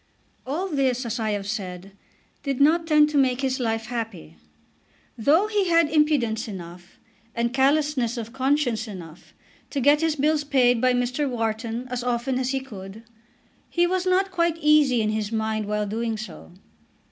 All this, as I have said, did not tend to make his life happy. Though he had impudence enough, and callousness of conscience enough, to get his bills paid by Mr. Wharton as often as he could, he was not quite easy in his mind while doing so.